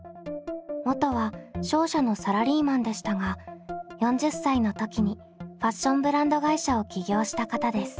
元は商社のサラリーマンでしたが４０歳の時にファッションブランド会社を起業した方です。